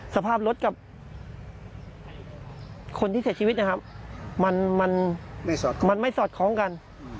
สภาพรถกับคนที่เสียชีวิตนะครับมันไม่สอดคล้องกัน